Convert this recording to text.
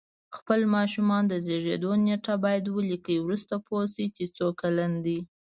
خپل ماشومانو د زیږېدو نېټه باید ولیکئ وروسته پوه شی چې څو کلن دی